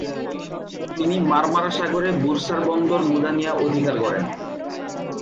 তিনি মার্মারা সাগরে বুরসার বন্দর মুদানিয়া অধিকার করেন।